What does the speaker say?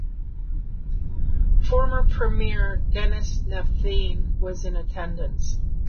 Former premier Denis Napthine was in attendance.